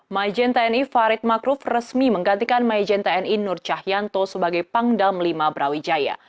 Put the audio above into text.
majen tni farid makruf resmi menggantikan maijen tni nur cahyanto sebagai pangdam lima brawijaya